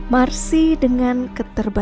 marsi dengan keterbatasan